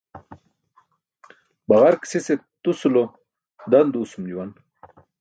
Baġark sise tusu lo dan duusum juwan.